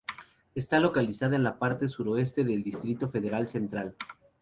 Está localizada en la parte suroeste del Distrito Federal Central.